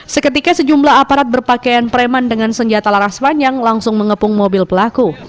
seketika sejumlah aparat berpakaian preman dengan senjata laras panjang langsung mengepung mobil pelaku